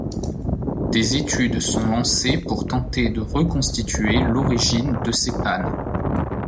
Des études sont lancées pour tenter de reconstituer l'origine de ces pannes.